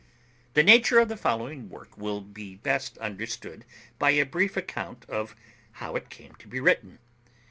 The nature of the following work will be best understood by a brief account of how it came to be written.